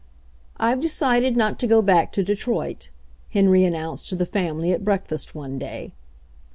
"I've decided not to go back to Detroit," Henry announced to the family at breakfast one day.